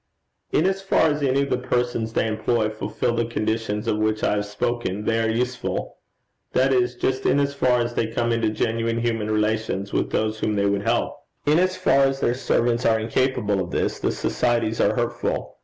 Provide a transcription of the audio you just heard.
'In as far as any of the persons they employ fulfil the conditions of which I have spoken, they are useful that is, just in as far as they come into genuine human relations with those whom they would help. In as far as their servants are incapable of this, the societies are hurtful.